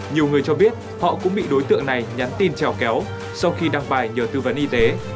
nhiều người cho biết họ cũng bị đối tượng này nhắn tin trèo kéo sau khi đăng bài nhờ tư vấn y tế